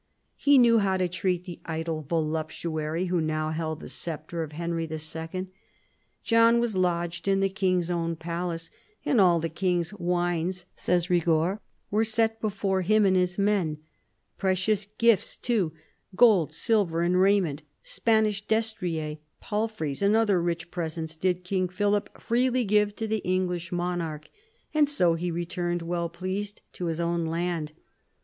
He knew how to treat the idle voluptuary who now held the sceptre of Henry II. John was lodged in the king's own palace, and all the king's wines, says Eigord, were set before him and his men ; precious gifts too, gold, silver, and raiment, Spanish destriers, palfreys, and other rich presents did King Philip freely give to the English monarch, and so he returned well pleased to his own land.